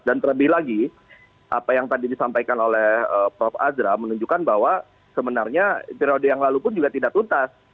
dan terlebih lagi apa yang tadi disampaikan oleh prof azra menunjukkan bahwa sebenarnya periode yang lalu pun juga tidak utas